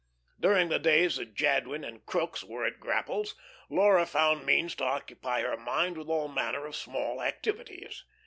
During the days that Jadwin and Crookes were at grapples Laura found means to occupy her mind with all manner of small activities.